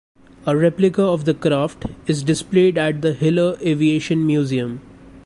A replica of the craft is displayed at the Hiller Aviation Museum.